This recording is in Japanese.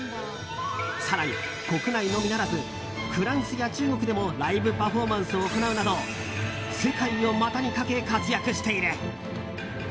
更に、国内のみならずフランスや中国でもライブパフォーマンスを行うなど世界を股にかけ活躍している。